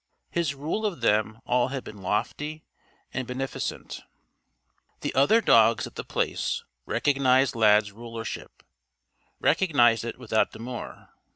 His rule of them all had been lofty and beneficent. The other dogs at The Place recognized Lad's rulership recognized it without demur.